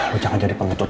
lu jangan jadi pengecut